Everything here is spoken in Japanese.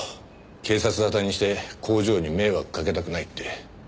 警察沙汰にして工場に迷惑かけたくないって。